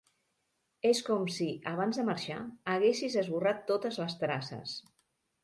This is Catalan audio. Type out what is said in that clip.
És com si, abans de marxar, haguessis esborrat totes les traces.